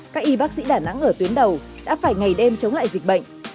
các y bác sĩ đà nẵng ở tuyến đầu đã phải ngày đêm chống lại dịch bệnh